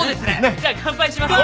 じゃあ乾杯しましょう！